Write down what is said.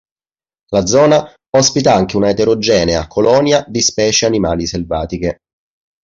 La zona ospita anche una eterogenea colonia di specie animali selvatiche.